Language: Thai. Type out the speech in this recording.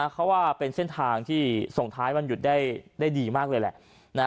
เขาว่าเป็นเส้นทางที่ส่งท้ายวันหยุดได้ดีมากเลยแหละ